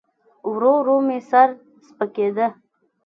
ورو ورو مې سر سپکېده.